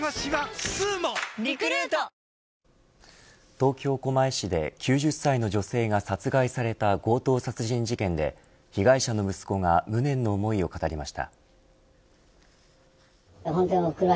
東京、狛江市で９０歳の女性が殺害された強盗殺人事件で被害者の息子が無念の思いを語りました。